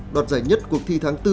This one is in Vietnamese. đoàn giải nhất cuộc thi tháng bốn